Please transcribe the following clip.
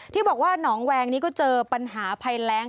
ที่บอกว่าหนองแวงนี้ก็เจอปัญหาภัยแรง